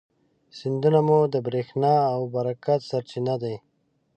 سیندونه مو د برېښنا او برکت سرچینې دي.